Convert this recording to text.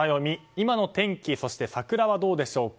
今の天気、そして桜はどうでしょうか。